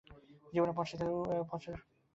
জীবনের পশ্চাতে উহার ছায়াস্বরূপ মৃত্যু রহিয়াছে।